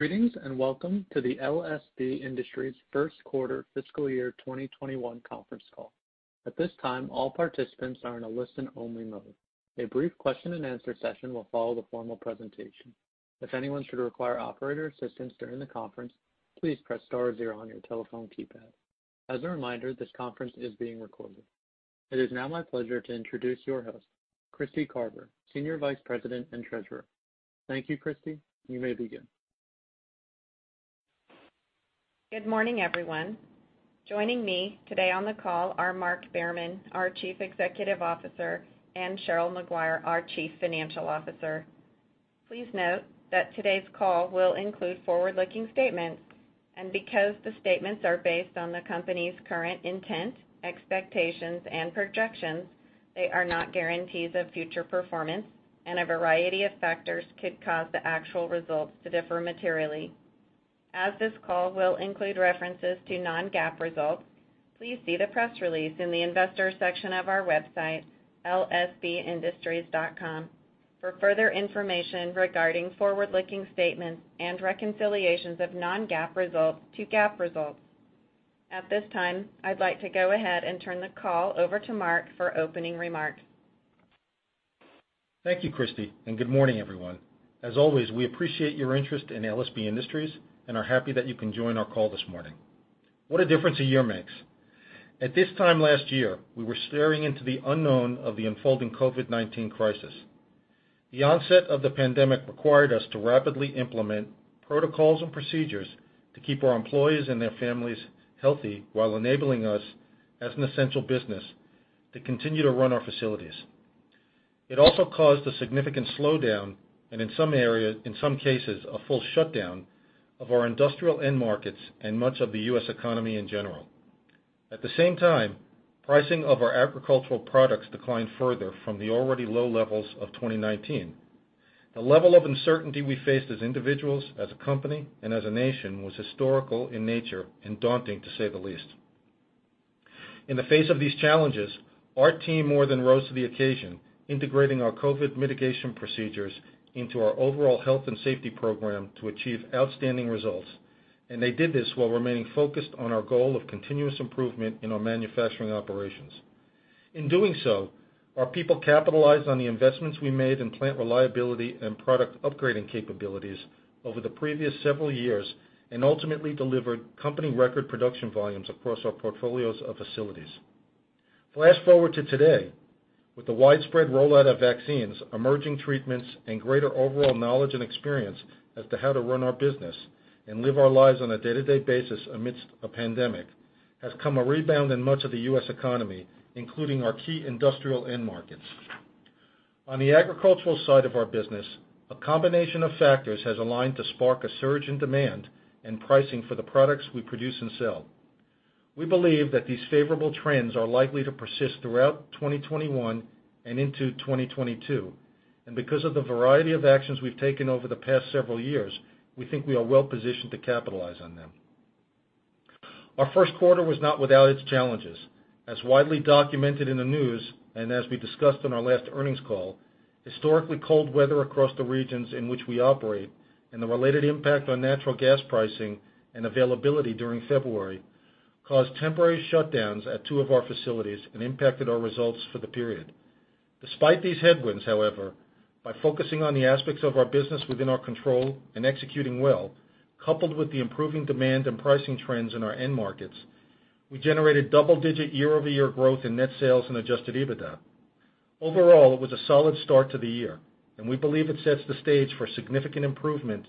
Greetings, and Welcome to the LSB Industries first quarter fiscal year 2021 conference call. At this time, all participants are in a listen-only mode. A brief question and answer session will follow the formal presentation. If anyone should require operator assistance during the conference, please press star zero on your telephone keypad. As a reminder, this conference is being recorded. It is now my pleasure to introduce your host, Kristy Carver, Senior Vice President and Treasurer. Thank you, Kristy. You may begin. Good morning, everyone. Joining me today on the call are Mark Behrman, our Chief Executive Officer, and Cheryl Maguire, our Chief Financial Officer. Please note that today's call will include forward-looking statements, and because the statements are based on the company's current intent, expectations, and projections, they are not guarantees of future performance, and a variety of factors could cause the actual results to differ materially. As this call will include references to non-GAAP results, please see the press release in the Investor section of our website, lsbindustries.com, for further information regarding forward-looking statements and reconciliations of non-GAAP results to GAAP results. At this time, I'd like to go ahead and turn the call over to Mark for opening remarks. Thank you, Kristy, good morning, everyone. As always, we appreciate your interest in LSB Industries and are happy that you can join our call this morning. What a difference a year makes. At this time last year, we were staring into the unknown of the unfolding COVID-19 crisis. The onset of the pandemic required us to rapidly implement protocols and procedures to keep our employees and their families healthy while enabling us, as an essential business, to continue to run our facilities. It also caused a significant slowdown, and in some cases, a full shutdown of our industrial end markets and much of the U.S. economy in general. At the same time, pricing of our agricultural products declined further from the already low levels of 2019. The level of uncertainty we faced as individuals, as a company, and as a nation was historical in nature and daunting to say the least. In the face of these challenges, our team more than rose to the occasion, integrating our COVID mitigation procedures into our overall health and safety program to achieve outstanding results. They did this while remaining focused on our goal of continuous improvement in our manufacturing operations. In doing so, our people capitalized on the investments we made in plant reliability and product upgrading capabilities over the previous several years and ultimately delivered company record production volumes across our portfolios of facilities. Flash forward to today, with the widespread rollout of vaccines, emerging treatments, and greater overall knowledge and experience as to how to run our business and live our lives on a day-to-day basis amidst a pandemic, has come a rebound in much of the U.S. economy, including our key industrial end markets. On the agricultural side of our business, a combination of factors has aligned to spark a surge in demand and pricing for the products we produce and sell. We believe that these favorable trends are likely to persist throughout 2021 and into 2022, and because of the variety of actions we've taken over the past several years, we think we are well positioned to capitalize on them. Our first quarter was not without its challenges. As widely documented in the news and as we discussed on our last earnings call, historically cold weather across the regions in which we operate and the related impact on natural gas pricing and availability during February caused temporary shutdowns at two of our facilities and impacted our results for the period. Despite these headwinds, however, by focusing on the aspects of our business within our control and executing well, coupled with the improving demand and pricing trends in our end markets, we generated double-digit year-over-year growth in net sales and adjusted EBITDA. Overall, it was a solid start to the year, and we believe it sets the stage for significant improvement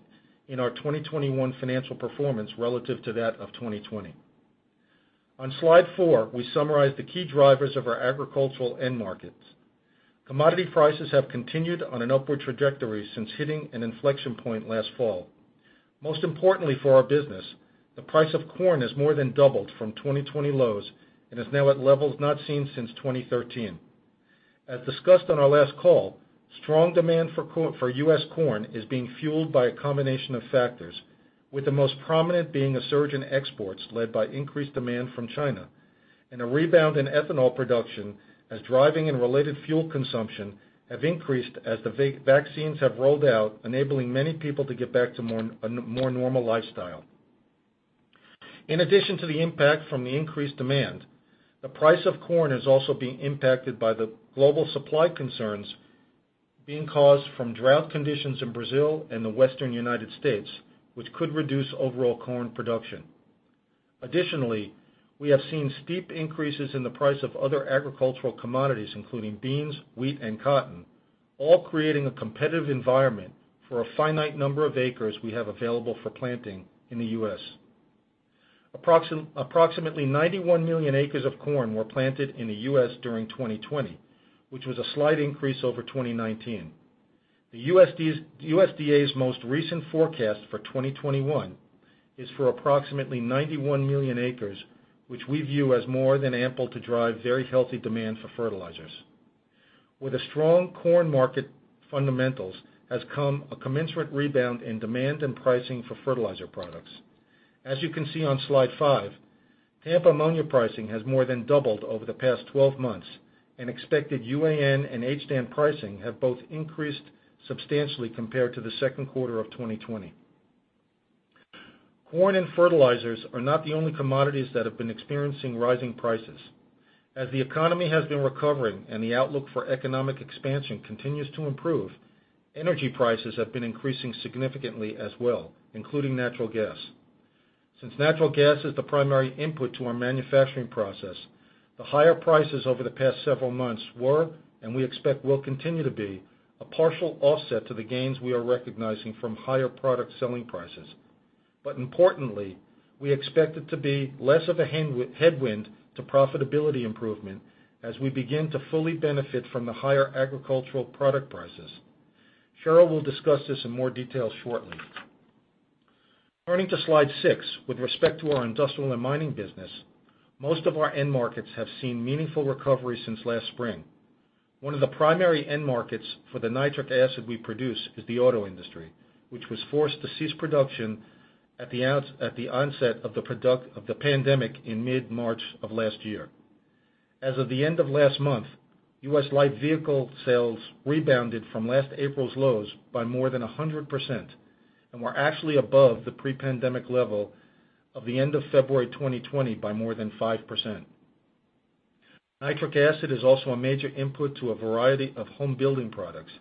in our 2021 financial performance relative to that of 2020. On slide four, we summarize the key drivers of our agricultural end markets. Commodity prices have continued on an upward trajectory since hitting an inflection point last fall. Most importantly for our business, the price of corn has more than doubled from 2020 lows and is now at levels not seen since 2013. As discussed on our last call, strong demand for U.S. corn is being fueled by a combination of factors, with the most prominent being a surge in exports led by increased demand from China and a rebound in ethanol production as driving and related fuel consumption have increased as the vaccines have rolled out, enabling many people to get back to a more normal lifestyle. In addition to the impact from the increased demand, the price of corn is also being impacted by the global supply concerns being caused from drought conditions in Brazil and the Western U.S., which could reduce overall corn production. Additionally, we have seen steep increases in the price of other agricultural commodities, including beans, wheat, and cotton, all creating a competitive environment for a finite number of acres we have available for planting in the U.S. Approximately 91 million acres of corn were planted in the U.S. during 2020, which was a slight increase over 2019. The USDA's most recent forecast for 2021 is for approximately 91 million acres, which we view as more than ample to drive very healthy demand for fertilizers. With the strong corn market fundamentals has come a commensurate rebound in demand and pricing for fertilizer products. As you can see on slide five, Tampa ammonia pricing has more than doubled over the past 12 months, and expected UAN and HDAN pricing have both increased substantially compared to the second quarter of 2020. Corn and fertilizers are not the only commodities that have been experiencing rising prices. As the economy has been recovering and the outlook for economic expansion continues to improve, energy prices have been increasing significantly as well, including natural gas. Since natural gas is the primary input to our manufacturing process, the higher prices over the past several months were, and we expect will continue to be, a partial offset to the gains we are recognizing from higher product selling prices. Importantly, we expect it to be less of a headwind to profitability improvement as we begin to fully benefit from the higher agricultural product prices. Cheryl will discuss this in more detail shortly. Turning to slide six, with respect to our industrial and mining business, most of our end markets have seen meaningful recovery since last spring. One of the primary end markets for the nitric acid we produce is the auto industry, which was forced to cease production at the onset of the pandemic in mid-March of last year. As of the end of last month, U.S. light vehicle sales rebounded from last April's lows by more than 100% and were actually above the pre-pandemic level of the end of February 2020 by more than 5%. Nitric acid is also a major input to a variety of home building products.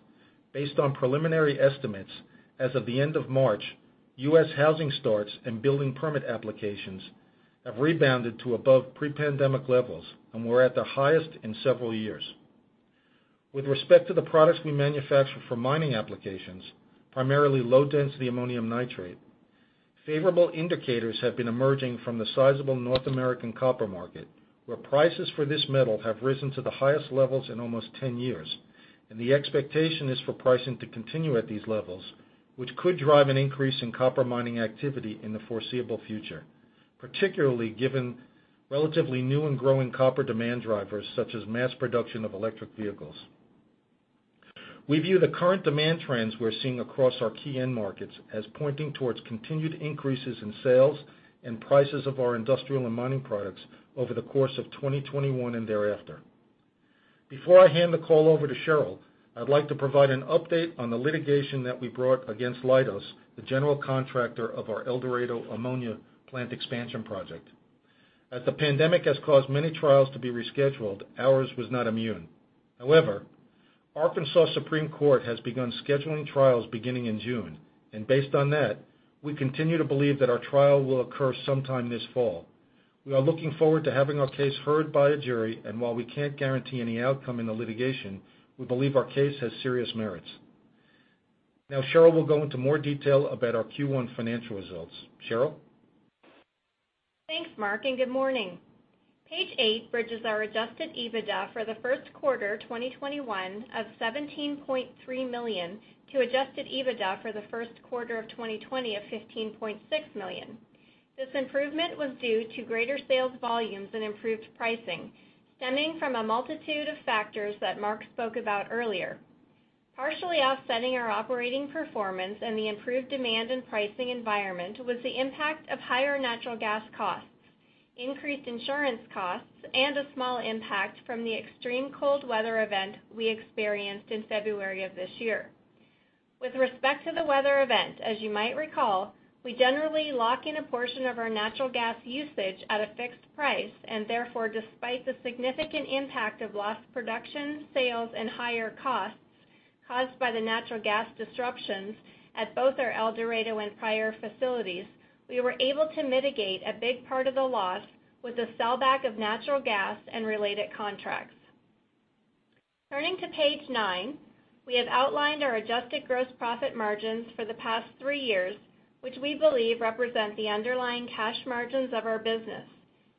Based on preliminary estimates, as of the end of March, U.S. housing starts and building permit applications have rebounded to above pre-pandemic levels and were at the highest in several years. With respect to the products we manufacture for mining applications, primarily low-density ammonium nitrate, favorable indicators have been emerging from the sizable North American copper market, where prices for this metal have risen to the highest levels in almost 10 years, and the expectation is for pricing to continue at these levels, which could drive an increase in copper mining activity in the foreseeable future, particularly given relatively new and growing copper demand drivers such as mass production of electric vehicles. We view the current demand trends we're seeing across our key end markets as pointing towards continued increases in sales and prices of our industrial and mining products over the course of 2021 and thereafter. Before I hand the call over to Cheryl, I'd like to provide an update on the litigation that we brought against Leidos, the general contractor of our El Dorado ammonia plant expansion project. The pandemic has caused many trials to be rescheduled, ours was not immune. Arkansas Supreme Court has begun scheduling trials beginning in June, based on that, we continue to believe that our trial will occur sometime this fall. We are looking forward to having our case heard by a jury, while we can't guarantee any outcome in the litigation, we believe our case has serious merits. Cheryl will go into more detail about our Q1 financial results. Cheryl? Thanks, Mark. Good morning. Page eight bridges our adjusted EBITDA for the first quarter 2021 of $17.3 million to adjusted EBITDA for the first quarter of 2020 of $15.6 million. This improvement was due to greater sales volumes and improved pricing, stemming from a multitude of factors that Mark spoke about earlier. Partially offsetting our operating performance and the improved demand and pricing environment was the impact of higher natural gas costs, increased insurance costs, and a small impact from the extreme cold weather event we experienced in February of this year. With respect to the weather event, as you might recall, we generally lock in a portion of our natural gas usage at a fixed price, and therefore, despite the significant impact of lost production, sales, and higher costs caused by the natural gas disruptions at both our El Dorado and Pryor facilities, we were able to mitigate a big part of the loss with the sellback of natural gas and related contracts. Turning to page nine, we have outlined our adjusted gross profit margins for the past three years, which we believe represent the underlying cash margins of our business.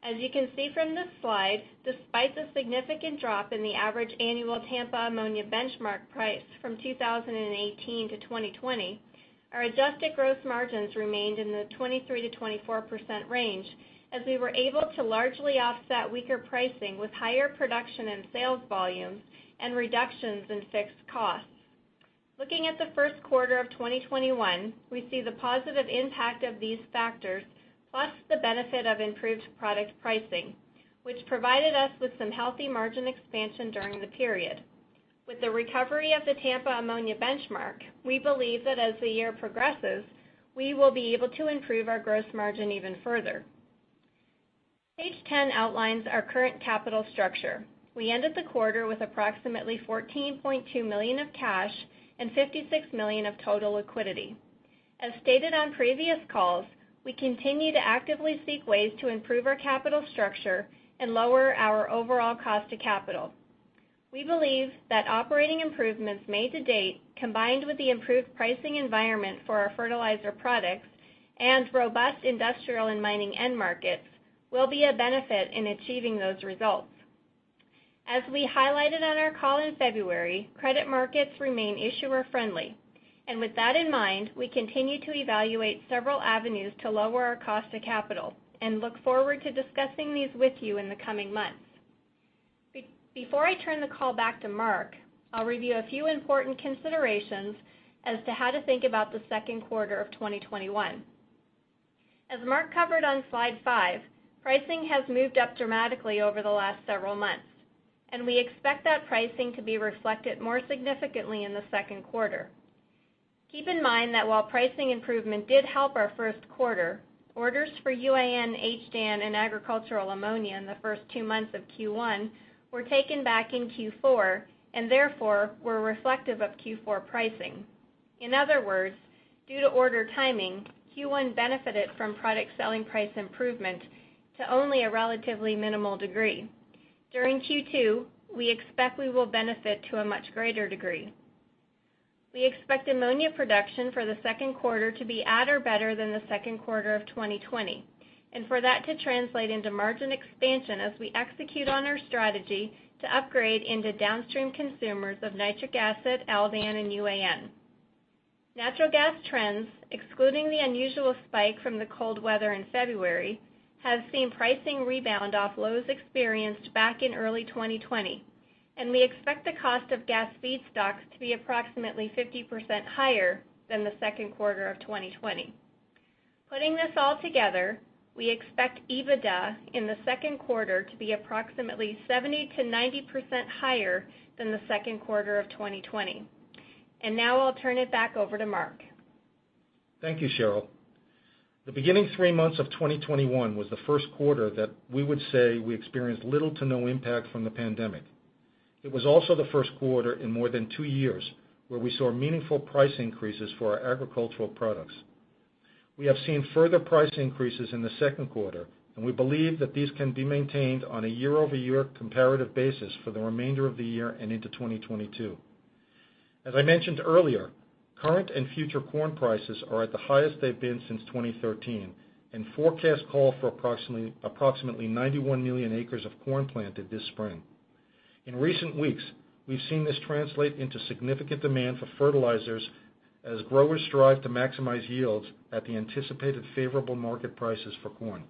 As you can see from this slide, despite the significant drop in the average annual Tampa ammonia benchmark price from 2018-2020, our adjusted gross margins remained in the 23%-24% range, as we were able to largely offset weaker pricing with higher production and sales volumes and reductions in fixed costs. Looking at the first quarter of 2021, we see the positive impact of these factors, plus the benefit of improved product pricing, which provided us with some healthy margin expansion during the period. With the recovery of the Tampa ammonia benchmark, we believe that as the year progresses, we will be able to improve our gross margin even further. Page 10 outlines our current capital structure. We ended the quarter with approximately $14.2 million of cash and $56 million of total liquidity. As stated on previous calls, we continue to actively seek ways to improve our capital structure and lower our overall cost to capital. We believe that operating improvements made to date, combined with the improved pricing environment for our fertilizer products and robust industrial and mining end markets, will be a benefit in achieving those results. As we highlighted on our call in February, credit markets remain issuer-friendly. With that in mind, we continue to evaluate several avenues to lower our cost to capital and look forward to discussing these with you in the coming months. Before I turn the call back to Mark, I'll review a few important considerations as to how to think about the second quarter of 2021. As Mark covered on slide five, pricing has moved up dramatically over the last several months, and we expect that pricing to be reflected more significantly in the second quarter. Keep in mind that while pricing improvement did help our first quarter, orders for UAN, HDAN, and agricultural ammonia in the first two months of Q1 were taken back in Q4, and therefore, were reflective of Q4 pricing. In other words, due to order timing, Q1 benefited from product selling price improvement to only a relatively minimal degree. During Q2, we expect we will benefit to a much greater degree. We expect ammonia production for the second quarter to be at or better than the second quarter of 2020, and for that to translate into margin expansion as we execute on our strategy to upgrade into downstream consumers of nitric acid, HDAN, and UAN. Natural gas trends, excluding the unusual spike from the cold weather in February, have seen pricing rebound off lows experienced back in early 2020, and we expect the cost of gas feedstocks to be approximately 50% higher than the second quarter of 2020. Putting this all together, we expect EBITDA in the second quarter to be approximately 70%-90% higher than the second quarter of 2020. Now I'll turn it back over to Mark Behrman. Thank you, Cheryl. The beginning three months of 2021 was the first quarter that we would say we experienced little to no impact from the pandemic. It was also the first quarter in more than two years where we saw meaningful price increases for our agricultural products. We have seen further price increases in the second quarter, and we believe that these can be maintained on a year-over-year comparative basis for the remainder of the year and into 2022. As I mentioned earlier, current and future corn prices are at the highest they've been since 2013 and forecasts call for approximately 91 million acres of corn planted this spring. In recent weeks, we've seen this translate into significant demand for fertilizers as growers strive to maximize yields at the anticipated favorable market prices for corn.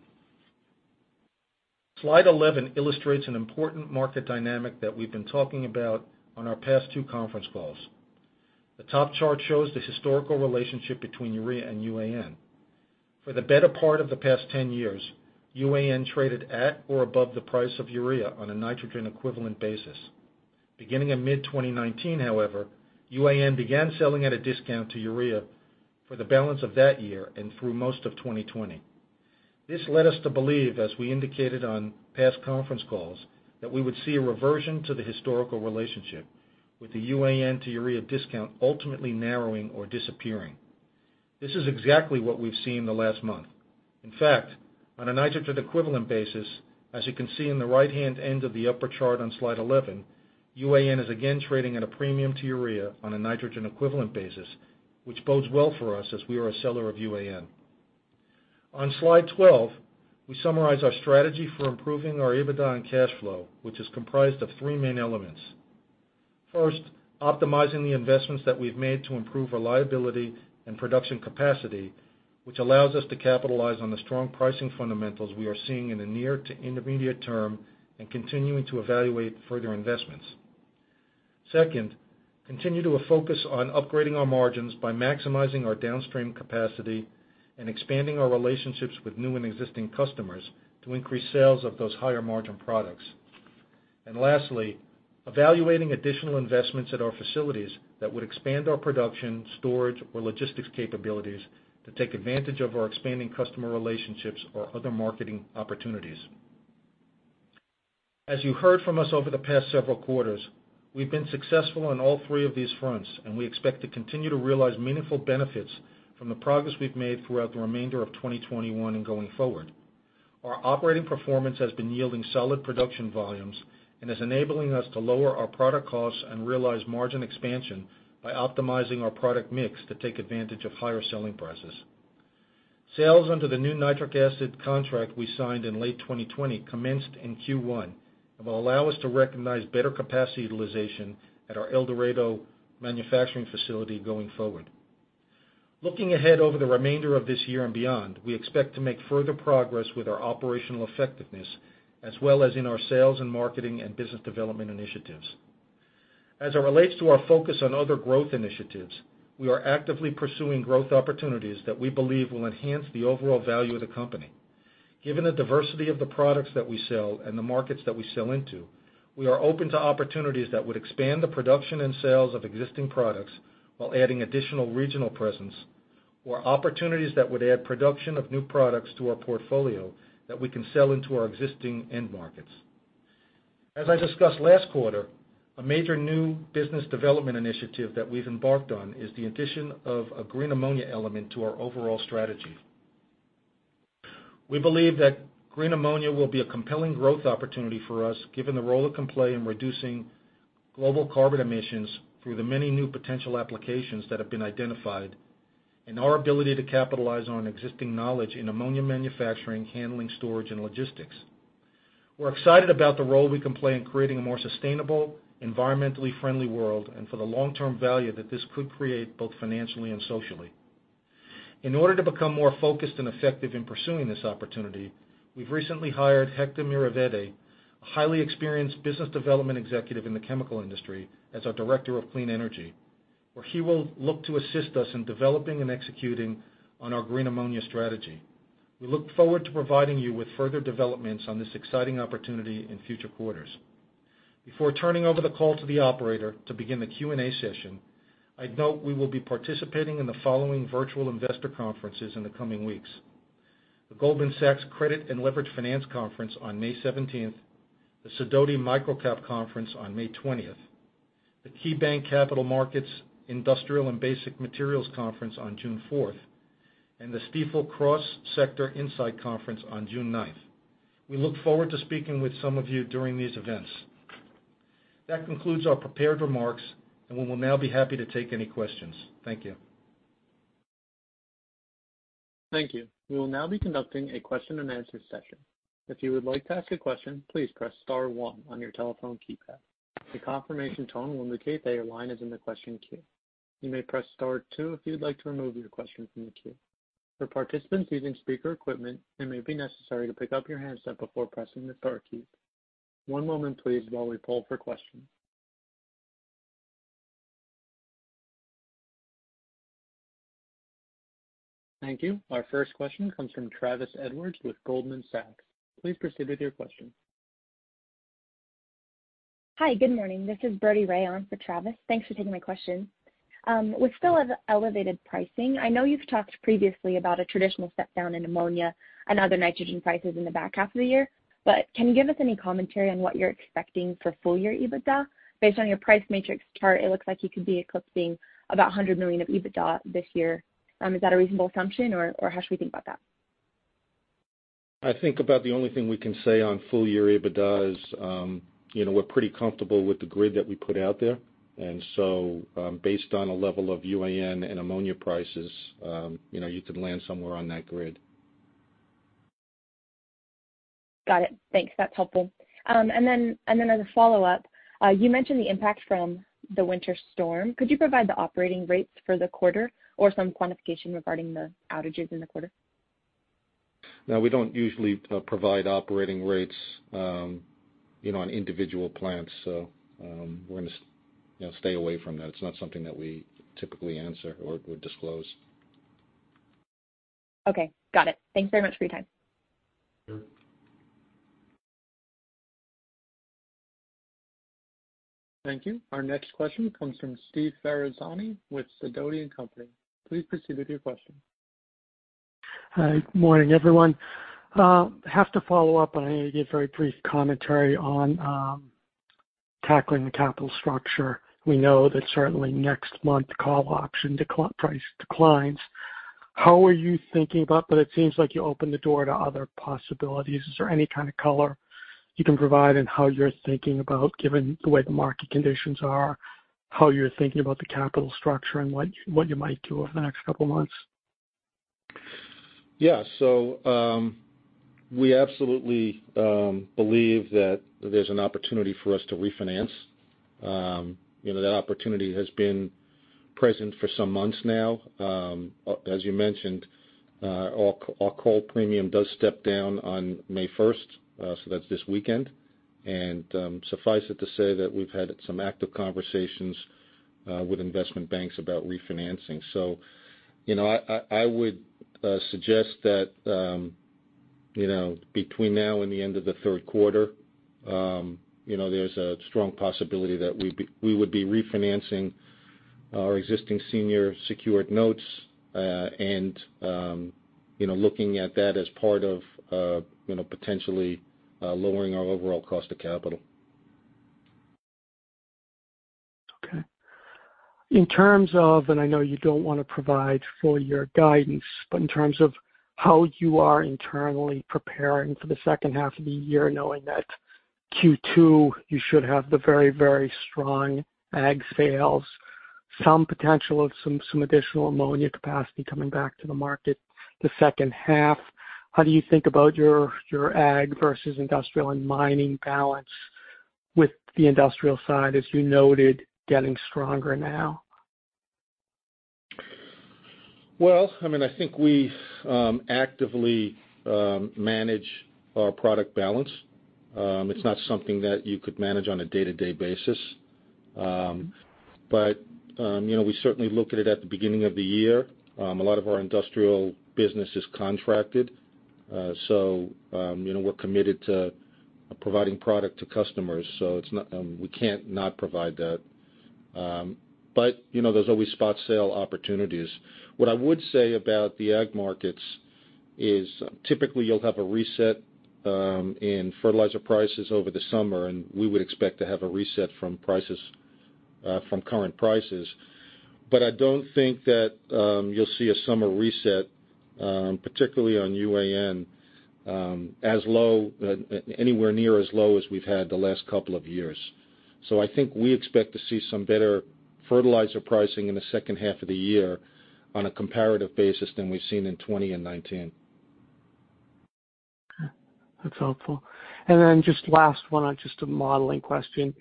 Slide 11 illustrates an important market dynamic that we've been talking about on our past two conference calls. The top chart shows the historical relationship between urea and UAN. For the better part of the past 10 years, UAN traded at or above the price of urea on a nitrogen equivalent basis. Beginning in mid-2019, however, UAN began selling at a discount to urea for the balance of that year and through most of 2020. This led us to believe, as we indicated on past conference calls, that we would see a reversion to the historical relationship with the UAN to urea discount ultimately narrowing or disappearing. This is exactly what we've seen in the last month. In fact, on a nitrogen equivalent basis, as you can see in the right-hand end of the upper chart on slide 11, UAN is again trading at a premium to urea on a nitrogen equivalent basis, which bodes well for us as we are a seller of UAN. On slide 12, we summarize our strategy for improving our EBITDA and cash flow, which is comprised of three main elements. First, optimizing the investments that we've made to improve reliability and production capacity, which allows us to capitalize on the strong pricing fundamentals we are seeing in the near to intermediate term and continuing to evaluate further investments. Second, continue to focus on upgrading our margins by maximizing our downstream capacity and expanding our relationships with new and existing customers to increase sales of those higher margin products. Lastly, evaluating additional investments at our facilities that would expand our production, storage, or logistics capabilities to take advantage of our expanding customer relationships or other marketing opportunities. As you heard from us over the past several quarters, we've been successful on all three of these fronts, and we expect to continue to realize meaningful benefits from the progress we've made throughout the remainder of 2021 and going forward. Our operating performance has been yielding solid production volumes and is enabling us to lower our product costs and realize margin expansion by optimizing our product mix to take advantage of higher selling prices. Sales under the new nitric acid contract we signed in late 2020 commenced in Q1 and will allow us to recognize better capacity utilization at our El Dorado manufacturing facility going forward. Looking ahead over the remainder of this year and beyond, we expect to make further progress with our operational effectiveness as well as in our sales and marketing and business development initiatives. As it relates to our focus on other growth initiatives, we are actively pursuing growth opportunities that we believe will enhance the overall value of the company. Given the diversity of the products that we sell and the markets that we sell into, we are open to opportunities that would expand the production and sales of existing products while adding additional regional presence or opportunities that would add production of new products to our portfolio that we can sell into our existing end markets. As I discussed last quarter, a major new business development initiative that we've embarked on is the addition of a green ammonia element to our overall strategy. We believe that green ammonia will be a compelling growth opportunity for us, given the role it can play in reducing global carbon emissions through the many new potential applications that have been identified and our ability to capitalize on existing knowledge in ammonia manufacturing, handling, storage, and logistics. We're excited about the role we can play in creating a more sustainable, environmentally friendly world, and for the long-term value that this could create, both financially and socially. In order to become more focused and effective in pursuing this opportunity, we've recently hired Hector Miravete, a highly experienced business development executive in the chemical industry, as our Director of Clean Energy, where he will look to assist us in developing and executing on our green ammonia strategy. We look forward to providing you with further developments on this exciting opportunity in future quarters. Before turning over the call to the operator to begin the Q&A session, I'd note we will be participating in the following virtual investor conferences in the coming weeks: the Goldman Sachs Credit and Leveraged Finance Conference on May 17th, the Sidoti MicroCap Conference on May 20th, the KeyBanc Capital Markets Industrials and Basic Materials Conference on June 4th, and the Stifel Cross Sector Insight Conference on June 9th. We look forward to speaking with some of you during these events. That concludes our prepared remarks, and we will now be happy to take any questions. Thank you. Thank you. We will now be conducting a question-and-answer session. If you would like to ask a question, please press star one on your telephone keypad. The confirmation tone will indicate that your line is in the question queue. You may press star two if you'd like to remove your question from the queue. For participants using speaker equipment, it may be necessary to pick up your handset before pressing the star key. One moment, please while we poll for questions. Thank you. Our first question comes from Travis Edwards with Goldman Sachs. Please proceed with your question. Hi. Good morning. This is Brodie Wray on for Travis. Thanks for taking my question. With still elevated pricing, I know you've talked previously about a traditional step down in ammonia and other nitrogen prices in the back half of the year, but can you give us any commentary on what you're expecting for full year EBITDA? Based on your price matrix chart, it looks like you could be eclipsing about $100 million of EBITDA this year. Is that a reasonable assumption, or how should we think about that? I think about the only thing we can say on full year EBITDA is we're pretty comfortable with the grid that we put out there. Based on a level of UAN and ammonia prices, you could land somewhere on that grid. Got it. Thanks. That's helpful. As a follow-up, you mentioned the impact from the winter storm. Could you provide the operating rates for the quarter or some quantification regarding the outages in the quarter? No, we don't usually provide operating rates on individual plants. We're going to stay away from that. It's not something that we typically answer or would disclose. Okay, got it. Thanks very much for your time. Sure. Thank you. Our next question comes from Steve Ferazani with Sidoti & Company. Please proceed with your question. Hi. Good morning, everyone. Have to follow up on a very brief commentary on tackling the capital structure. We know that certainly next month call option price declines. How are you thinking about, but it seems like you opened the door to other possibilities, is there any kind of color you can provide in how you're thinking about, given the way the market conditions are, how you're thinking about the capital structure and what you might do over the next couple of months? Yeah. We absolutely believe that there's an opportunity for us to refinance. That opportunity has been present for some months now. As you mentioned, our call premium does step down on May 1st, so that's this weekend. Suffice it to say that we've had some active conversations with investment banks about refinancing. I would suggest that between now and the end of the third quarter there's a strong possibility that we would be refinancing our existing senior secured notes and looking at that as part of potentially lowering our overall cost of capital. Okay. In terms of, and I know you don't want to provide full year guidance, but in terms of how you are internally preparing for the second half of the year, knowing that Q2 you should have the very, very strong ag sales, some potential of some additional ammonia capacity coming back to the market the second half. How do you think about your ag versus industrial and mining balance with the industrial side, as you noted, getting stronger now? Well, I think we actively manage our product balance. It's not something that you could manage on a day-to-day basis. We certainly look at it at the beginning of the year. A lot of our industrial business is contracted, so we're committed to providing product to customers. We can't not provide that. There's always spot sale opportunities. What I would say about the ag markets is typically you'll have a reset in fertilizer prices over the summer, and we would expect to have a reset from current prices. I don't think that you'll see a summer reset, particularly on UAN, anywhere near as low as we've had the last couple of years. I think we expect to see some better fertilizer pricing in the second half of the year on a comparative basis than we've seen in 2020 and 2019. That's helpful. Then just last one on just a modeling question.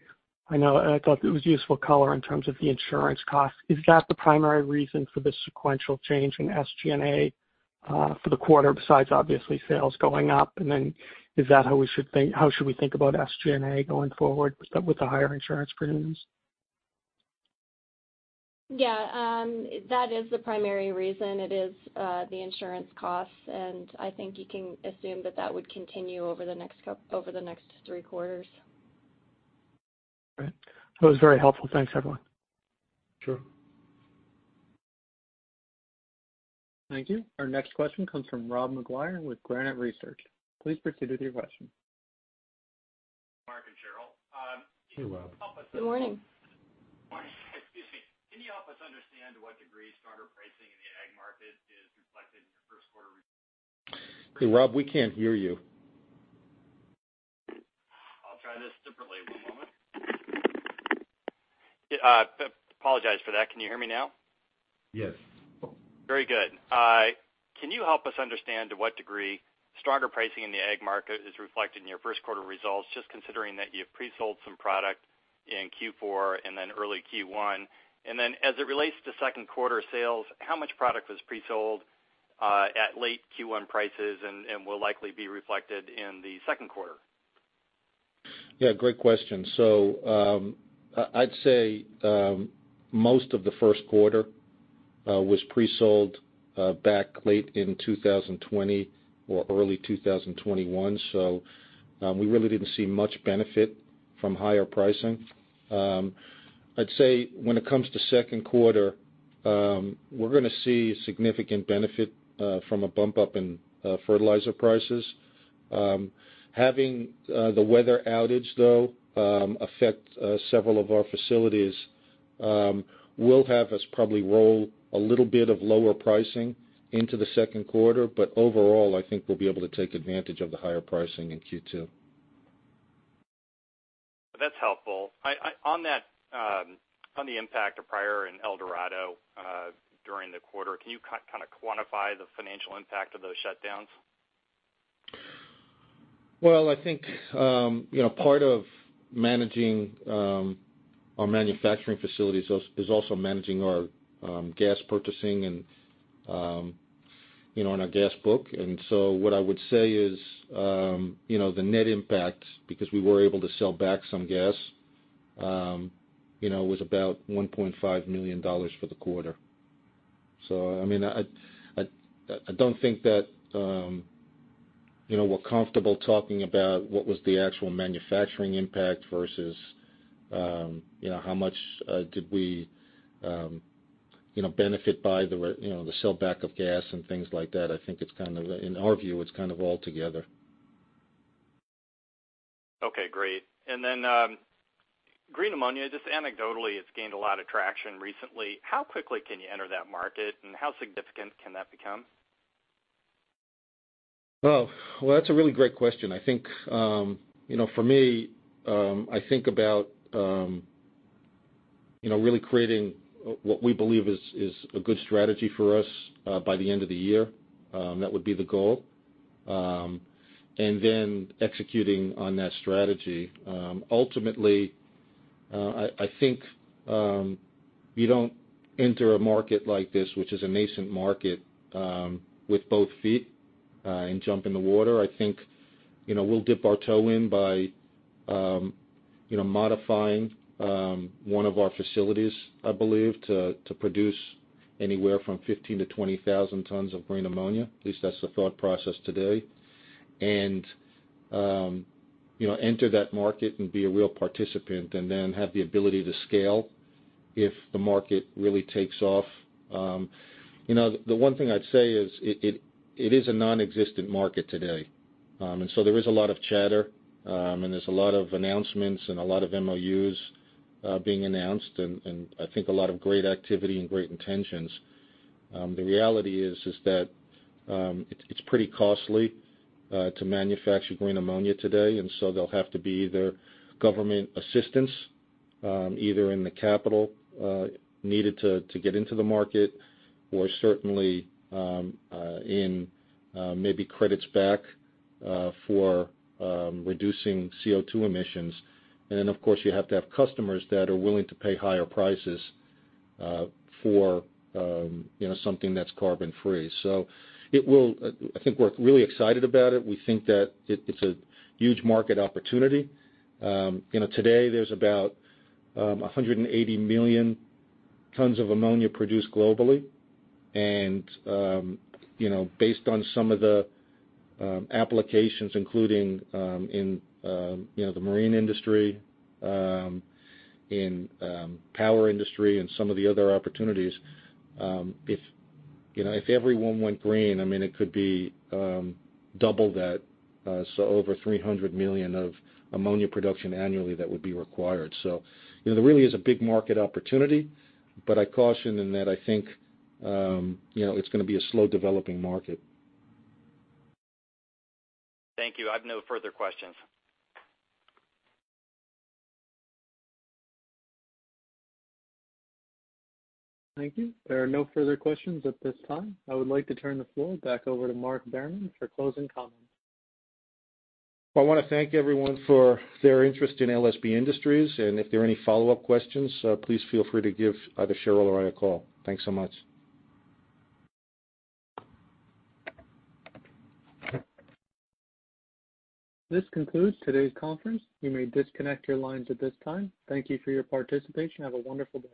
I know, and I thought it was useful color in terms of the insurance cost. Is that the primary reason for the sequential change in SG&A for the quarter, besides obviously sales going up? Then is that how we should think about SG&A going forward with the higher insurance premiums? Yeah. That is the primary reason. It is the insurance costs, and I think you can assume that that would continue over the next three quarters. Great. That was very helpful. Thanks, everyone. Sure. Thank you. Our next question comes from Rob McGuire with Granite Research. Please proceed with your question. Mark and Cheryl. Hey, Rob. Good morning. Excuse me. Can you help us understand to what degree stronger pricing in the ag market is reflected in your first quarter? Hey, Rob, we can't hear you. I'll try this differently. One moment. Apologize for that. Can you hear me now? Yes. Very good. Can you help us understand to what degree stronger pricing in the ag market is reflected in your first quarter results, just considering that you have pre-sold some product in Q4 and then early Q1? Then as it relates to second quarter sales, how much product was pre-sold at late Q1 prices and will likely be reflected in the second quarter? Yeah, great question. I'd say most of the first quarter was pre-sold back late in 2020 or early 2021. We really didn't see much benefit from higher pricing. I'd say when it comes to second quarter, we're going to see significant benefit from a bump up in fertilizer prices. Having the weather outage, though, affect several of our facilities will have us probably roll a little bit of lower pricing into the second quarter. Overall, I think we'll be able to take advantage of the higher pricing in Q2. That's helpful. On the impact of Pryor and El Dorado during the quarter, can you kind of quantify the financial impact of those shutdowns? Well, I think part of managing our manufacturing facilities is also managing our gas purchasing and our gas book. What I would say is the net impact, because we were able to sell back some gas, was about $1.5 million for the quarter. I don't think that we're comfortable talking about what was the actual manufacturing impact versus how much did we benefit by the sellback of gas and things like that. I think in our view, it's kind of all together. Okay, great. Green ammonia, just anecdotally, it's gained a lot of traction recently. How quickly can you enter that market, and how significant can that become? Well, that's a really great question. I think for me, I think about really creating what we believe is a good strategy for us by the end of the year. That would be the goal. Then executing on that strategy. Ultimately, I think you don't enter a market like this, which is a nascent market, with both feet and jump in the water. I think we'll dip our toe in by modifying one of our facilities, I believe, to produce anywhere from 15,000-20,000 tons of green ammonia, at least that's the thought process today. Enter that market and be a real participant and then have the ability to scale if the market really takes off. The one thing I'd say is it is a nonexistent market today. There is a lot of chatter, and there's a lot of announcements and a lot of MOUs being announced, and I think a lot of great activity and great intentions. The reality is that it's pretty costly to manufacture green ammonia today. There'll have to be either government assistance, either in the capital needed to get into the market or certainly in maybe credits back for reducing CO2 emissions. Then, of course, you have to have customers that are willing to pay higher prices for something that's carbon-free. I think we're really excited about it. We think that it's a huge market opportunity. Today there's about 180 million tons of ammonia produced globally. Based on some of the applications, including in the marine industry, in power industry, and some of the other opportunities, if everyone went green, it could be double that. Over 300 million of ammonia production annually that would be required. There really is a big market opportunity. I caution in that I think it's going to be a slow-developing market. Thank you. I have no further questions. Thank you. There are no further questions at this time. I would like to turn the floor back over to Mark Behrman for closing comments. I want to thank everyone for their interest in LSB Industries, and if there are any follow-up questions, please feel free to give either Cheryl or I a call. Thanks so much. This concludes today's conference. You may disconnect your lines at this time. Thank you for your participation. Have a wonderful day.